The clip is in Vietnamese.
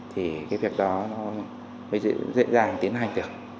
thì cái việc đó nó mới dễ dàng tiến hành được